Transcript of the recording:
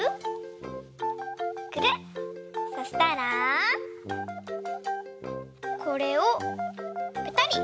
そしたらこれをぺたり。